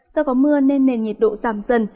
do có mưa nên nền nhiệt độ giảm dần